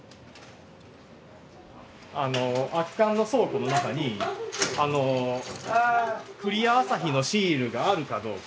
空き缶の倉庫の中にクリアアサヒのシールがあるかどうか。